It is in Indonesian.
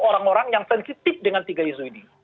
orang orang yang sensitif dengan tiga isu ini